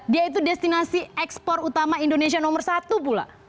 dia itu destinasi ekspor utama indonesia nomor satu pula